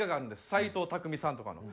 斎藤工さんとかの。